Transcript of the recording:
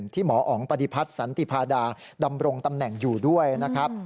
หมออ๋องปฏิพัฒน์สันติพาดาดำรงตำแหน่งอยู่ด้วยนะครับ